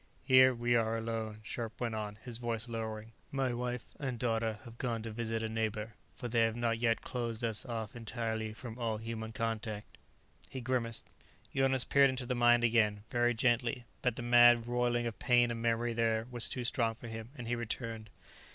"Here we are alone," Scharpe went on, his voice lowering. "My wife and daughter have gone to visit a neighbor, for they have not yet closed us off entirely from all human contact." He grimaced. Jonas peered into the mind again, very gently, but the mad roiling of pain and memory there was too strong for him, and he returned.